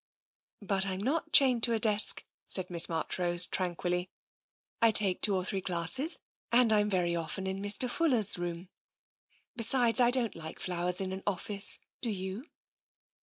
"" But Fm not chained to a desk," said Miss March rose tranquilly. " I take two or three classes, and I'm very often in Mr. Fuller's room. Besides, I don't like flowers in an office; do you?